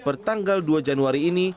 per tanggal dua januari ini